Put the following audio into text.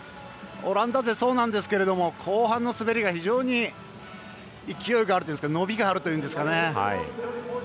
オランダ勢そうなんですけど後半の滑りが非常に勢いがある伸びがあるというんですかね。